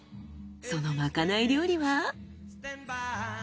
そのまかない料理は。